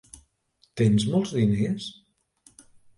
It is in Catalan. Tens molts diners?